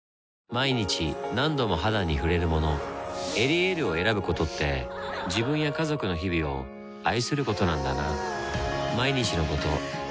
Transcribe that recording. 毎日何度も肌に触れるもの「エリエール」を選ぶことって自分や家族の日々を愛することなんだなぁ